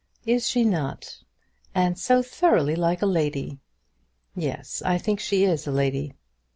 "Is she not?" "And so thoroughly like a lady." "Yes; I think she is a lady."